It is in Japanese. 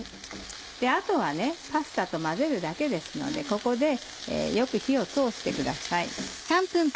あとはパスタと混ぜるだけですのでここでよく火を通してください。